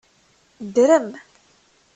Drem.